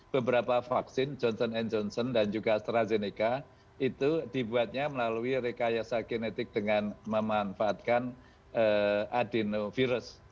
beberapa vaksin johnson and johnson dan juga astrazeneca itu dibuatnya melalui rekayasa genetik dengan memanfaatkan adenovirus